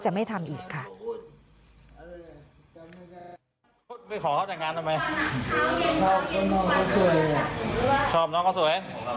ชอบน้องเขาสวย